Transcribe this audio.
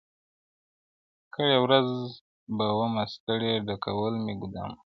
کرۍ ورځ به ومه ستړی ډکول مي ګودامونه٫